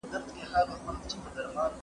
لنډمهاله فشار کله ناکله مرسته کوي.